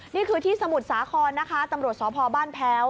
นี่คือที่สมุทรสาครนะคะตำรวจสพบ้านแพ้ว